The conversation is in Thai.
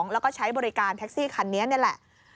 แล้วก็ใช้บริการแท็กซี่คันนี้นี่แหละ